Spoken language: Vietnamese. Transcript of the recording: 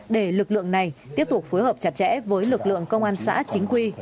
để lực lượng này tiếp tục phối hợp chặt chẽ với lực lượng công an xã chính quy